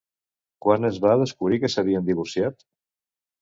Quan es va descobrir que s'havien divorciat?